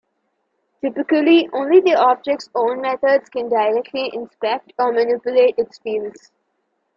Typically, only the object's own methods can directly inspect or manipulate its fields.